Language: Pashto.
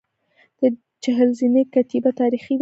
د چهل زینې کتیبه تاریخي ده